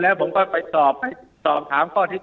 แต่คุณยายจะขอย้ายโรงเรียน